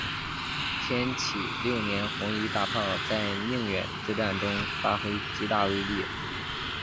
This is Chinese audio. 天启六年红夷大炮在宁远之战中发挥极大威力。